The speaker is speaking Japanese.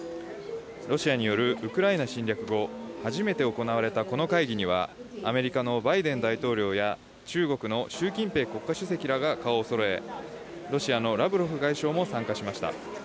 ロシアによるウクライナ侵略後、初めて行われたこの会議には、アメリカのバイデン大統領や中国の習近平国家主席らが顔をそろえ、ロシアのラブロフ外相も参加しました。